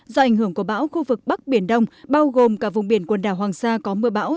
do ảnh hưởng của bão khu vực bắc biển đông bao gồm cả vùng biển quần đảo hoàng sa có mưa bão